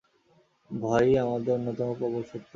ভয়ই আমাদের অন্যতম প্রবল শত্রু।